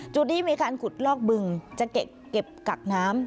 จุดนี้มีการขุดลอกบึงจะเก็บกักน้ำ